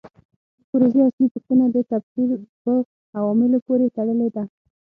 د پروژې اصلي پوښتنه د تبخیر په عواملو پورې تړلې ده.